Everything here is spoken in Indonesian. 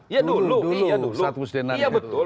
iya dulu saat musdenanya iya betul